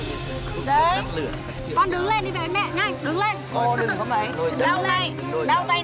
con đứng lên đi về với mẹ nhanh